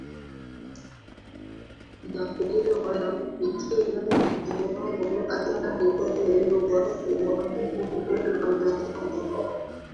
unakolea na kufikia viwango hatari kwenye hewa huwadhuru wanadamu